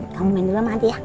kamu main dulu sama adek ya